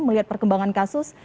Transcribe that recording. melihat perkembangan kasus